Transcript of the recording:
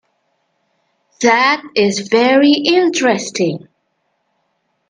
That is very interesting.